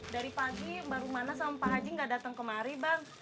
dari pagi mbak rumana sama pak haji nggak datang kemari bang